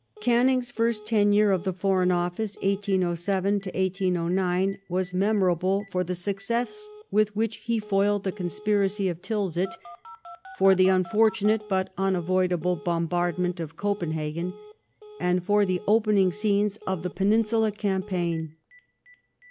Canning's first tenure of the Foreign Office (1807 1809) was memorable for the success with which he foiled the conspiracy of Tilsit ; for the unfortunate but unavoidable bombardment of Copenhagen ; and for t*he opening scenes of the Peninsula cam paign.